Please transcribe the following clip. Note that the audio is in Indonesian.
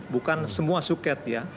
bukan semua suket ya